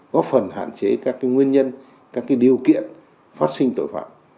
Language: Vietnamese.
góp phần hạn chế các nguyên nhân các điều kiện phát sinh tội phạm